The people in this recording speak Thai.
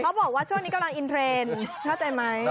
บอกว่าช่วงนี้กำลังอินเทรนด์เข้าใจไหม